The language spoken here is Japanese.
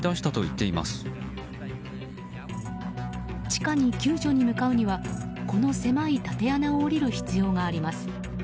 地下に救助に向かうにはこの狭い縦穴を下りる必要があります。